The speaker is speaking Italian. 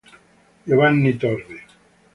Giovanni Torri